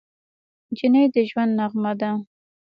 نجلۍ د ژوند نغمه ده.